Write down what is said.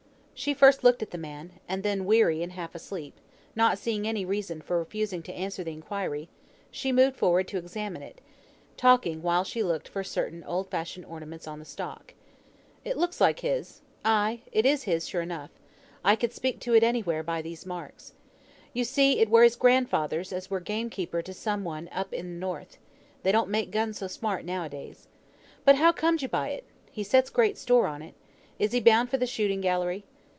She first looked at the man, and then, weary and half asleep, not seeing any reason for refusing to answer the inquiry, she moved forward to examine it, talking while she looked for certain old fashioned ornaments on the stock. "It looks like his; ay, it's his, sure enough. I could speak to it anywhere by these marks. You see it were his grandfather's, as were gamekeeper to some one up in th' north; and they don't make guns so smart now a days. But, how comed you by it? He sets great store on it. Is he bound for th' shooting gallery?